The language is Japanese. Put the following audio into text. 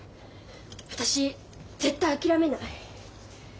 私絶対諦めない。